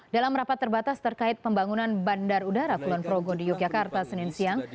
dalam rapat terbatas terkait pembangunan bandar udara kulon progo di yogyakarta senin siang